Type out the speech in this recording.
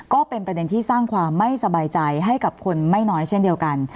ก็เป็นประเด็นที่สร้างความไม่สบายใจให้กับคนไม่น้อยเช่นเดียวกัน